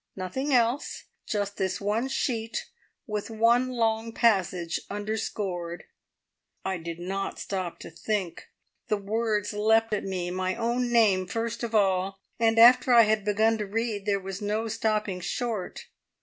Nothing else, just this one sheet, with one long passage underscored. I did not stop to think; the words leapt at me, my own name first of all; and after I had begun to read there was no stopping short.